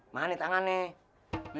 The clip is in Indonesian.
mana nih tangannya